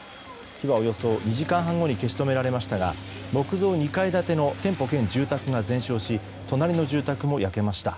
火はおよそ２時間半後に消し止められましたが木造２階建ての店舗兼住宅が全焼し隣の住宅も焼けました。